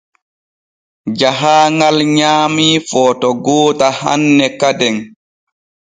Jahaaŋal nyaamii footo goota hanne kaden.